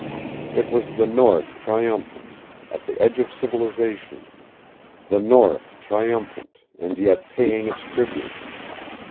It was the north triumphant at the edge of civilization; the north triumphant, and yet paying its tribute.